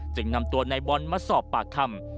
นำตัวนายบอลมาสอบปากคำ